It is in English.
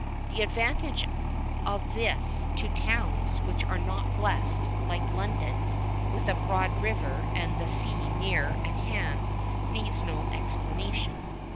The advantage of this to towns which are not blessed, like London, with a broad river and the sea near at hand needs no explanation.